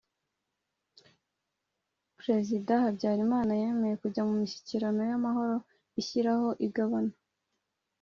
perezida habyarimana yemeye kujya mu mishyikirano y'amahoro ishyiraho igabana